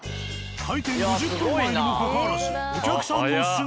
開店５０分前にもかかわらずお客さんの姿が。